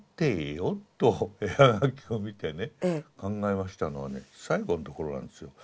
絵葉書を見てね考えましたのはね最後のところなんですよ。